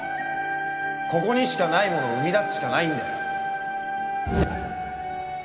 ここにしかないものを生み出すしかないん